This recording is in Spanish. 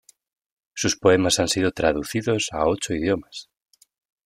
Sus poemas han sido traducidos a ocho idiomas.